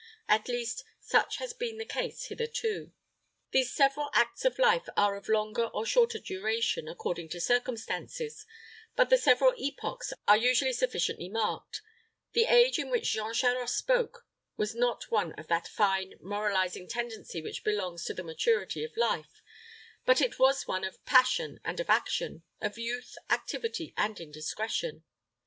At least, such has been the case hitherto. These several acts of life are of longer or shorter duration, according to circumstances, but the several epochs are usually sufficiently marked The age in which Jean Charost spoke was not one of that fine, moralizing tendency which belongs to the maturity of life; but it was one of passion and of action, of youth, activity, and indiscretion.